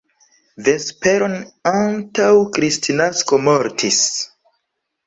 Vesperon antaŭ Kristnasko mortis.